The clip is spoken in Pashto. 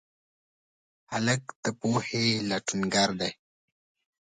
هلک د پوهې لټونګر دی.